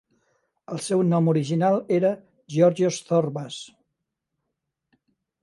El seu nom original era Georgios Zorbas.